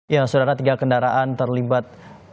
ya saudara tiga kendaraan terlibat